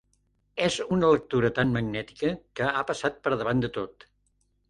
És una lectura tan magnètica que ha passat per davant de tot.